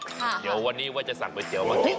เดี๋ยววันนี้ว่าจะสั่งไปเกลียวมากิ๊บ